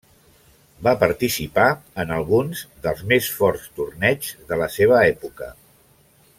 Va participar en alguns dels més forts torneigs de la seva època.